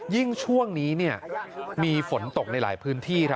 ยิ่งช่วงนี้มีฝนตกในหลายพื้นที่